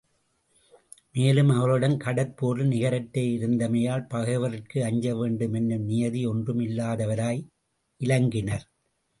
மேலும் அவர்கள் கடற் போரில் நிகரற்று இருந்தமையால், பகைவர்கட்கு அஞ்சவேண்டு மென்னும் நியதி ஒன்றும் இல்லாதவராய் இலங்கினர்.